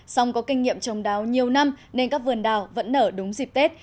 song có kinh nghiệm trồng đáo nhiều năm nên các vườn đào vẫn nở đúng dịp tết